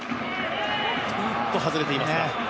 おっと、外れていますか。